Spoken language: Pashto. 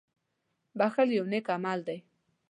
• بښل یو نېک عمل دی.